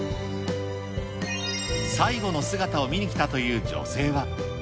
最後の姿を見に来たという女性は。